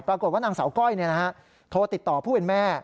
ปรากฏว่านางสาวก้อยโทรติดต่อผู้เป็นแม่